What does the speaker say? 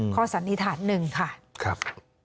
ครับ